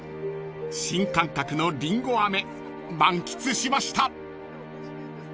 ［新感覚のりんご飴満喫しました］